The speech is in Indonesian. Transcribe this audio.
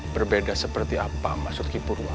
berbeda seperti apa maksud hiburwan